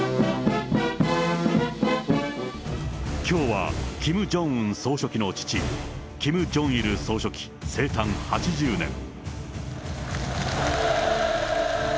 きょうはキム・ジョンウン総書記の父、キム・ジョンイル総書記生誕８０年。